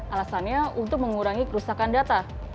alasannya untuk mengurangi kerusakan data